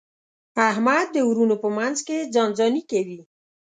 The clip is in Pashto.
احمد د وروڼو په منځ کې ځان ځاني کوي.